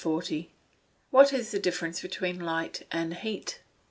_What is the difference between light and heat?